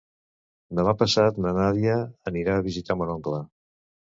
Demà passat na Nàdia anirà a visitar mon oncle.